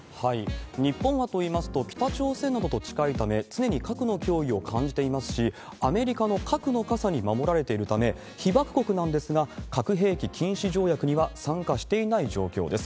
日本はといいますと、北朝鮮などと近いため、常に核の脅威を感じていますし、アメリカの核の傘に守られているため、被爆国なんですが、核兵器禁止条約には参加していない状況です。